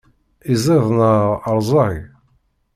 Iziḍ neɣ rẓag?